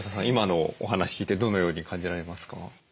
今のお話聞いてどのように感じられますか？